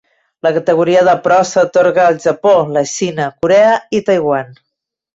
La categoria de pro s'atorga al Japó, la Xina, Corea i Taiwan.